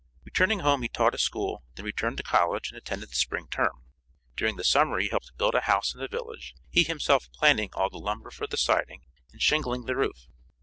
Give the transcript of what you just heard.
Returning home he taught a school, then returned to college, and attended the spring term. During the summer he helped build a house in the village, he himself planning all the lumber for the siding, and shingling the roof.